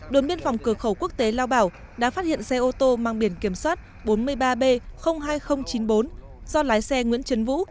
đồn biên phòng cửa khẩu quốc tế lao bảo đã phát hiện xe ô tô mang biển kiểm soát bốn mươi ba b hai nghìn chín mươi bốn do lái xe nguyễn trấn vũ